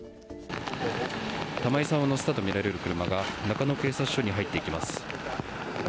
玉井さんを乗せたとみられる車が中野警察署に入っていきます。